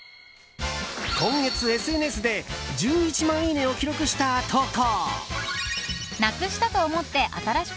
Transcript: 今月、ＳＮＳで１１万いいねを記録した投稿。